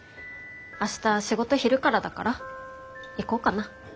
明日仕事昼からだから行こうかな。